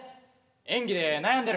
演技で悩んでるん？